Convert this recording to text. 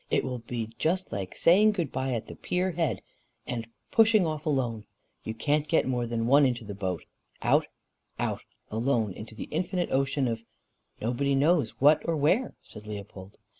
"It will be just like saying good bye at the pier head, and pushing off alone you can't get more than one into the boat out, out, alone, into the infinite ocean of nobody knows what or where," said Leopold.